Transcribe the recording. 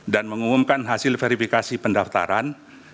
dan mengumumkan hasil verifikasi pendaftaran